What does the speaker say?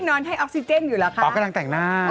ให้ออกซิเจนอยู่แล้วค่ะอ๋อกำลังแต่งหน้า